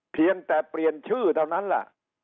เพียงแต่เปลี่ยนชื่อเท่านั้นแหละ